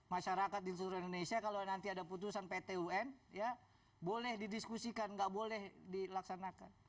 masyarakat di seluruh indonesia kalau nanti ada putusan pt un ya boleh didiskusikan nggak boleh dilaksanakan